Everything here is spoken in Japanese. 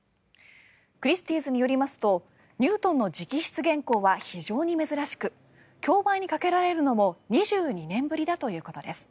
クリスティーズによりますとニュートンの直筆原稿は非常に珍しく競売にかけられるのも２２年ぶりだということです。